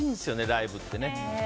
ライブってね。